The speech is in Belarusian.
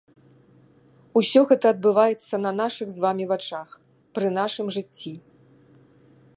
Усё гэта адбываецца на нашых з вамі вачах, пры нашым жыцці.